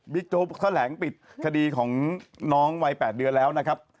บิ๊กโจ๊บเข้าแหลงปิดคดีของน้องวัย๘เดือนแล้วนะครับ